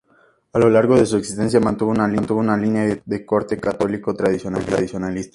A lo largo de su existencia mantuvo una línea editorial de corte católico-tradicionalista.